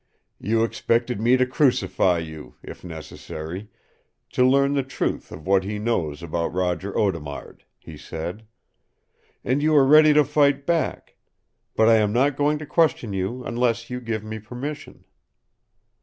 "You expected me to crucify you, if necessary, to learn the truth of what he knows about Roger Audemard," he said. "And you were ready to fight back. But I am not going to question you unless you give me permission."